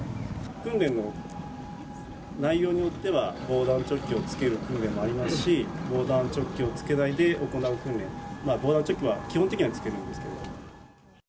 訓練の内容によっては、防弾チョッキを着ける訓練もありますし、防弾チョッキを着けないで行う訓練、まあ、防弾チョッキは基本的には着けるんですけど。